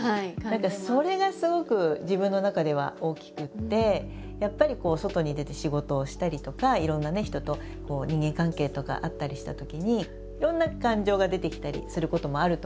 何かそれがすごく自分の中では大きくてやっぱり外に出て仕事をしたりとかいろんな人と人間関係とかあったりしたときにいろんな感情が出てきたりすることもあると思うんですね。